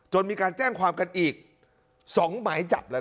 มีการแจ้งความกันอีก๒หมายจับแล้ว